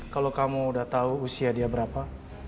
kalau kamu udah tahu usia dia berapa